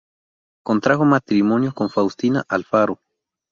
Contrajo matrimonio con Faustina Alfaro.